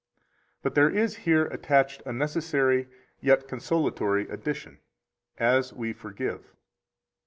93 But there is here attached a necessary, yet consolatory addition: As we forgive.